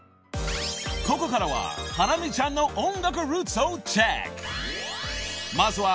［ここからはハラミちゃんの音楽ルーツをチェック］